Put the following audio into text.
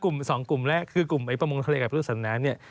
กลุ่มสองกลุ่มแรกคือกลุ่มประมงทะเลกับแปรลูกสัตว์น้ำ